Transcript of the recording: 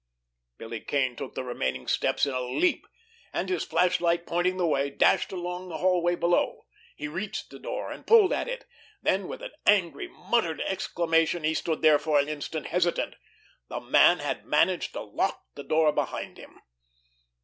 Billy Kane took the remaining stairs in a leap, and, his flashlight pointing the way, dashed along the hallway below. He reached the door, and pulled at it. Then, with an angry, muttered exclamation, he stood there for an instant hesitant. The man had managed to lock the door behind him!